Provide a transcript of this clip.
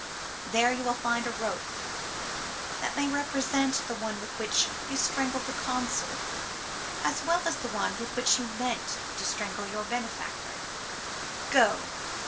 There you will find a rope that may represent the one with which you strangled the Consul as well as the one with which you meant to strangle your benefactor Go